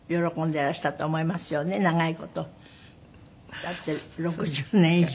だって６０年以上。